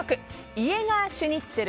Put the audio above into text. イエガーシュニッツェル。